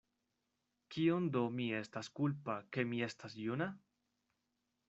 Kion do mi estas kulpa, ke mi estas juna?